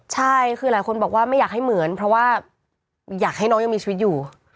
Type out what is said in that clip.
ใช่คือหลายคนบอกว่าไม่อยากให้เหมือนเพราะว่าอยากให้น้องยังมีชีวิตอยู่